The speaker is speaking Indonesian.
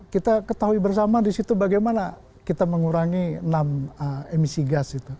kita ketahui bersama di situ bagaimana kita mengurangi enam emisi gas itu